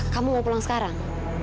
kamu mau pulang sekarang